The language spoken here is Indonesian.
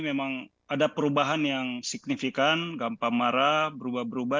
memang ada perubahan yang signifikan gampang marah berubah berubah